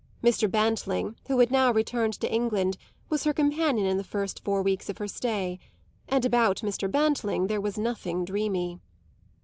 Mr. Bantling, who had now returned to England, was her companion for the first four weeks of her stay; and about Mr. Bantling there was nothing dreamy.